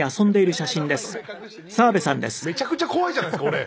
めちゃくちゃ怖いじゃないですか俺。